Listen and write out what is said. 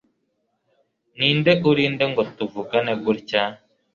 Ninde uri nde ngo tuvugane gutya